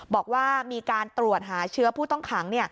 บอกว่ามีการตรวจหาเชื้อผู้ต้องขัง